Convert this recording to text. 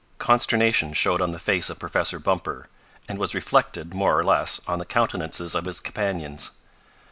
Consternation showed on the face of Professor Bumper, and was reflected, more or less, on the countenances of his companions.